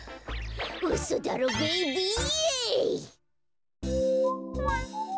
うそだろベイビー！